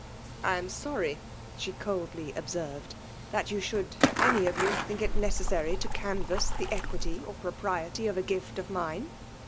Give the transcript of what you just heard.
."^'I^am sprry/' she coldly observedf ''that ypu should' any of you think it necessa^ to fai|V|tss tho equity or propriety of a gift^ o£ mtne.